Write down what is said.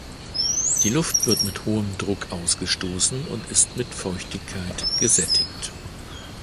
Die Luft wird mit hohem Druck ausgestoßen und ist mit Feuchtigkeit gesättigt.